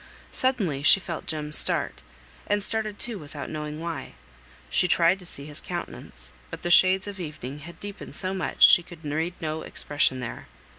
Suddenly she felt Jem start, and started too without knowing why; she tried to see his countenance, but the shades of evening had deepened so much she could read no expression there.